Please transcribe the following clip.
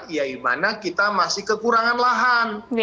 ya dimana kita masih kekurangan lahan